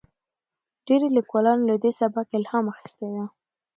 ډیرو لیکوالانو له دې سبک الهام اخیستی دی.